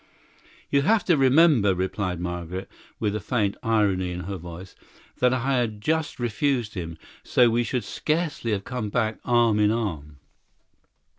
"You have to remember," replied Margaret, with a faint irony in her voice, "that I had just refused him, so we should scarcely have come back arm in arm.